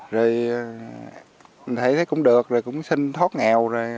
rồi mình thấy cũng được rồi cũng xin thoát nghèo rồi